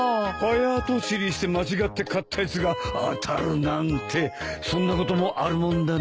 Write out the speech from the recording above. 早とちりして間違って買ったやつが当たるなんてそんなこともあるもんだなぁ。